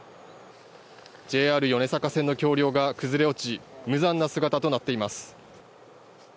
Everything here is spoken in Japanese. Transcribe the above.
ＪＲ米坂線の橋梁が崩れ落ち無残な姿となっています。